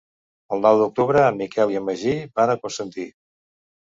El nou d'octubre en Miquel i en Magí van a Constantí.